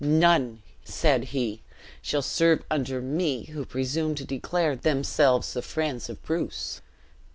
'None,' said he, 'shall serve under me, who presumed to declare themselves the friends of Bruce.'